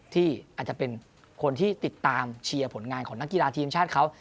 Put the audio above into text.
ที่อาจจะเป็นคนที่ติดตามเชียร์ผลงานของนักกีฬาทีมชาติเขา